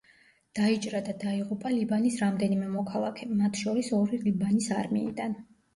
დაიჭრა და დაიღუპა ლიბანის რამდენიმე მოქალაქე, მათ შორის ორი ლიბანის არმიიდან.